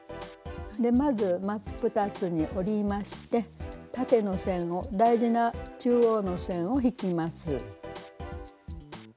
まず真っ二つに折りまして縦の線を大事な中央の線を引きます。